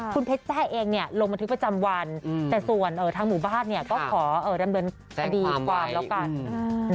คุณเพชรจ้าเองเนี่ยลงบันทึกประจำวันแต่ส่วนทางหมู่บ้านเนี่ยก็ขอดำเดินดีกว่าแล้วกัน